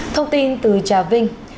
thông tin từ trà vinh